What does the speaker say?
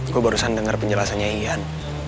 gue barusan dengar penjelasannya ian